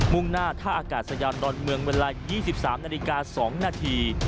่งหน้าท่าอากาศยานดอนเมืองเวลา๒๓นาฬิกา๒นาที